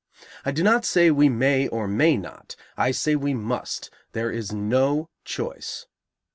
I do not say we may or may not; I say we must; there is no choice.